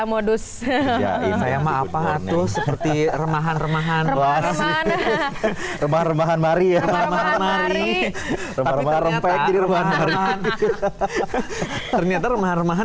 modus saya maafkan tuh seperti remahan remahan bahwa sih remahan remahan mari ya tapi ternyata